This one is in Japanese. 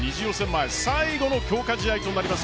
前最後の強化試合となります